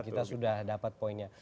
kita sudah dapat poinnya